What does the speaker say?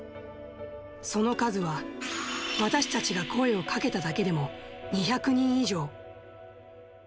その数は私たちが声をかけただけでも２００人以上。